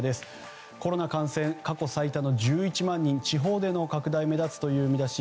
コロナ感染過去最多の１１万人地方での拡大目立つという見出し。